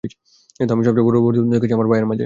কিন্তু আমি সবচেয়ে বড় পরিবর্তন দেখেছি আমার ভাইয়ের মাঝে।